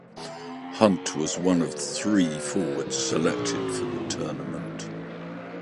Hunt was one of three forwards selected for the tournament.